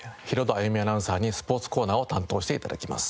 歩美アナウンサーにスポーツコーナーを担当して頂きます。